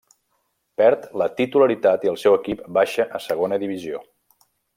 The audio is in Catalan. Perd la titularitat i el seu equip baixa a Segona Divisió.